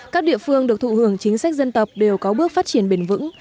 các địa phương được thụ hưởng chính sách dân tộc đều có bước phát triển bền vững